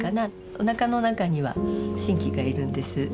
おなかの中には真気がいるんです。